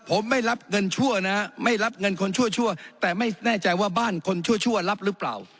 ผมไม่รับเงินชั่วนะไม่รับเงินคนชั่วแต่ไม่แน่ใจว่าบ้านคนชั่วรับหรือเปล่า